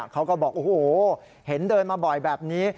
เขาก็บอกโอ้โหเห็นเดินมาบ่อยแบบนี้